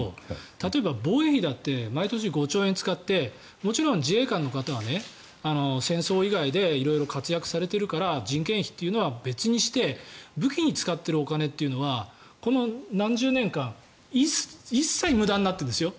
例えば、防衛費だって毎年５兆円使ってもちろん自衛官の方が戦争以外で色々活躍されているから人件費というのは別にして武器に使ってるお金というのはこの何十年間一切無駄になってるんですよ。